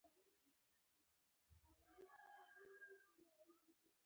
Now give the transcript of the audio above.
زړه د وینې دوران مرکز دی.